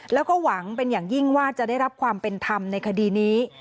แล้วก็หวังเป็นอย่างยิ่งว่าจะได้รับความเป็นธรรมในคดีนี้